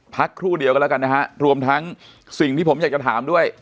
ครู่เดียวกันแล้วกันนะฮะรวมทั้งสิ่งที่ผมอยากจะถามด้วย